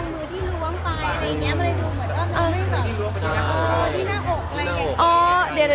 ไปโปรแกรตตรงมือที่ร่วงไป